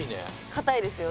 硬いですよ。